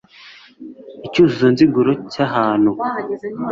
icyuzuzo nziguro cy'ahantu